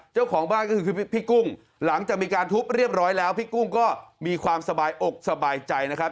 เจ้าของบ้านก็คือพี่กุ้งหลังจากมีการทุบเรียบร้อยแล้วพี่กุ้งก็มีความสบายอกสบายใจนะครับ